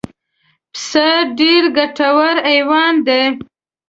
پسه ډېر ګټور حیوان دی.